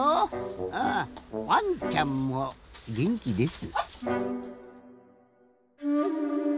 うんワンちゃんもげんきです。